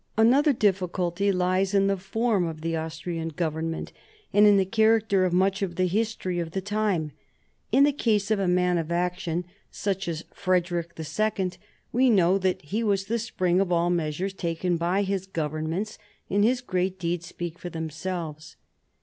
Another difficulty lies in the form of the Austrian Government, and in the character of much of the history of the time. In the case of a man of action such as 1740 43 WAR OF SUCCESSION 3 Frederick II., we know that he was the spring of all the measures taken by his Governments, and his great deeds speak for themselves.